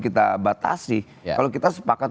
kita batasi kalau kita sepakat